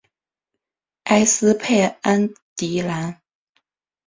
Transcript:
埃斯佩安迪兰。